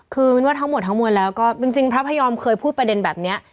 คือมินว่าทั้งหมดทั้งมวลแล้วก็จริงพระพยอมเคยพูดประเด็นแบบนี้